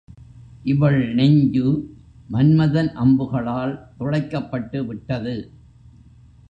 இவள் நெஞ்சு மன்மதன் அம்புகளால் துளைக்கப்பட்டுவிட்டது.